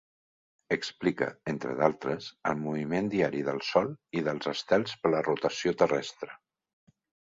Explica, entre d'altres, el moviment diari del Sol i dels estels per la rotació terrestre.